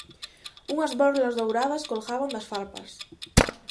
Unhas borlas douradas colgaban das farpas.